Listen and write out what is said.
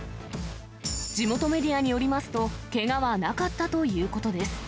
地元メディアによりますと、けがはなかったということです。